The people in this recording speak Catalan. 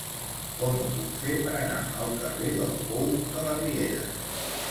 Com ho puc fer per anar al carrer del Pou de la Riera?